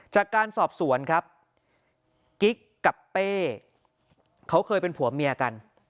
จากการสอบสวนครับกิ๊กกับเป้เขาเคยเป็นผัวเมียกัน